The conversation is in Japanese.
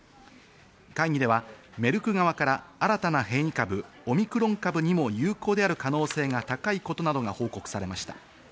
会議ではメルク側から新たな変異株、オミクロン株にも有効である可能性が高いことなどが報告されました。